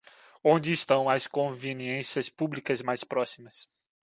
Onde estão as conveniências públicas mais próximas?